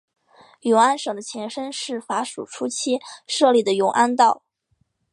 永安省的前身是法属初期设立的永安道。